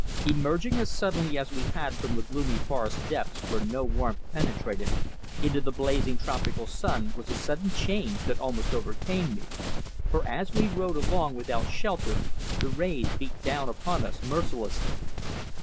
Emerging as suddenly as we had from the gloomy forest depths where no warmth penetrated, into the blazing tropical sun was a sudden change that almost overcame me, for as we rowed along without shelter the rays beat down upon us mercilessly.